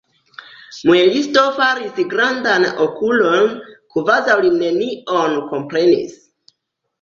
Muelisto faris grandajn okulojn, kvazaŭ li nenion komprenis.